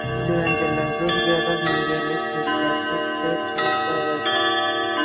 Durante las dos guerras mundiales, el Bacchu-Ber no fue bailado.